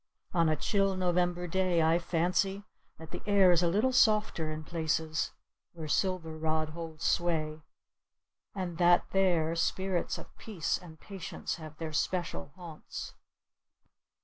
On a chill November day I fancy that the air is a little softer in places where Silver rod holds sway and that there spirits of peace and patience have their special haunts.